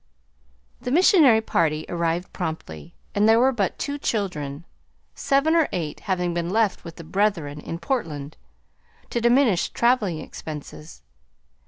The missionary party arrived promptly, and there were but two children, seven or eight having been left with the brethren in Portland, to diminish traveling expenses.